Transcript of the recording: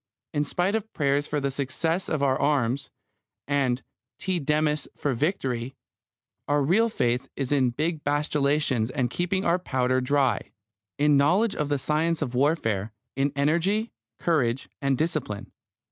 In spite of prayers for the success of our arms, and Te Deums for victory, our real faith is in big battalions and keeping our powder dry; in knowledge of the science of warfare; in energy, courage, and discipline.